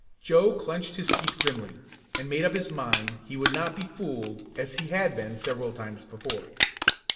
Joe clenched his teeth grimly and made up his mind he would not be fooled as he had been several times before.